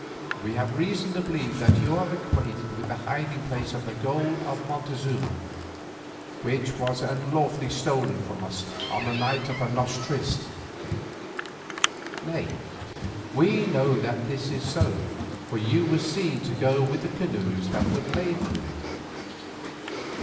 We have reason to believe that you are acquainted with the hiding place of the gold of Montezuma, which was unlawfully stolen from us on the night of the noche triste. Nay, we know that this is so, for you were seen to go with the canoes that were laden with it.